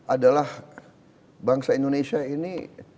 adalah bangsa indonesia ini